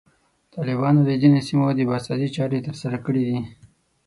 طالبانو د ځینو سیمو د بازسازي چارې ترسره کړي دي.